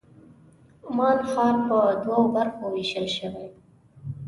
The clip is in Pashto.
عمان ښار په دوو برخو وېشل شوی.